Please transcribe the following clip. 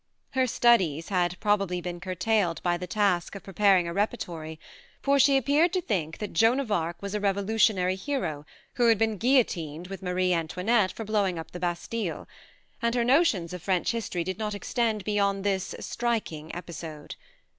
Her studies had probably been curtailed by the task of preparing 66 THE MARNE a repertory, for she appeared to think that Joan of Arc was a Revolutionary hero, who had been guillotined with Marie Antoinette for blowing up the Bastille; and her notions of French history did not extend beyond this striking episode.